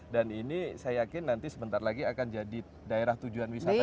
dan ini saya yakin nanti sebentar lagi bisa dibangun jalan yang sudah dibangun itu tadi kan